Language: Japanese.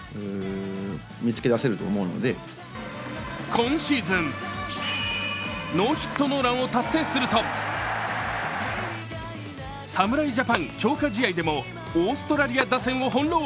今シーズン、ノーヒットノーランを達成すると侍ジャパン強化試合でもオーストラリア打線を翻弄。